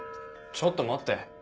ちょっと待って。